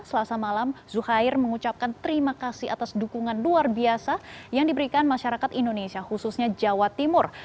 selasa malam zuhair mengucapkan terima kasih atas dukungan luar biasa yang diberikan masyarakat indonesia khususnya jawa timur